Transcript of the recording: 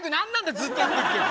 ずっとやってっけど。